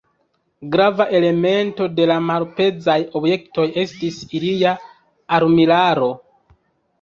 Grava elemento de la malpezaj objektoj estis ilia armilaro.